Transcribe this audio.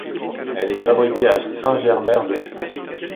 Elle est fabriquée à Saint-Germer-de-Fly.